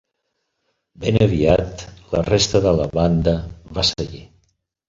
Ben aviat, la resta de la banda va seguir.